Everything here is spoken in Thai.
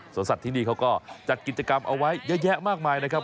สวนสัตว์ที่นี่เขาก็จัดกิจกรรมเอาไว้เยอะแยะมากมายนะครับ